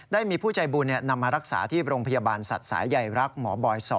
ได้มีผู้ใจบุญนำมารักษาที่โรงพยาบาลสัตว์สายใยรักหมอบอย๒